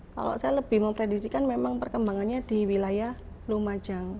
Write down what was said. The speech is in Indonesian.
kalau saya lebih memprediksikan memang perkembangannya di wilayah lumajang